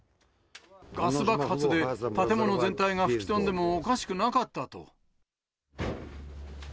ガス爆発で、建物全体が吹き飛んでもおかしくなかったと。